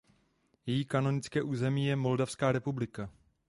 Její kanonické území je Moldavská republika.